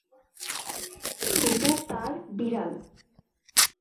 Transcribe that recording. এটা তার বিড়াল।